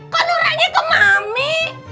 kok noraknya ke mami